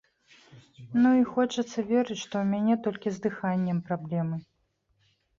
Ну, і хочацца верыць, што ў мяне толькі з дыханнем праблемы.